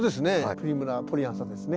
プリムラ・ポリアンサですね。